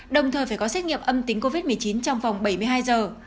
đồng thời phải có xét nghiệm âm tính covid một mươi chín trong vòng bảy mươi hai giờ